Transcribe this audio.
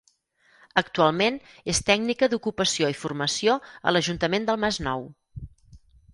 Actualment és tècnica d'ocupació i formació a l'Ajuntament del Masnou.